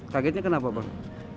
kagetnya kenapa pak